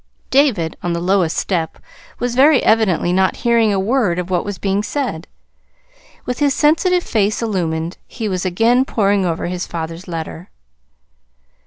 David, on the lowest step, was very evidently not hearing a word of what was being said. With his sensitive face illumined, he was again poring over his father's letter.